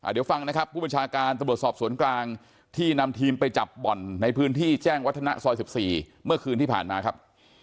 เดี๋ยวฟังนะครับผู้บัญชาการตำรวจสอบสวนกลางที่นำทีมไปจับบ่อนในพื้นที่แจ้งวัฒนะซอย๑๔เมื่อคืนที่ผ่านมาครับ